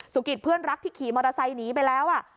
กิจเพื่อนรักที่ขี่มอเตอร์ไซค์หนีไปแล้ว